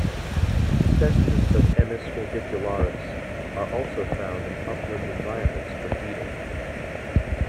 Specimens of "Emys orbicularis" are also found in upland environments for feeding.